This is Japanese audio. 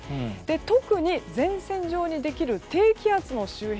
特に、前線上にできる低気圧の周辺